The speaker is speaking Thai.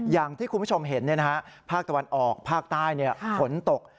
อย่างที่คุณผู้ชมเห็นภาคตะวันออกภาคใต้ฝนตก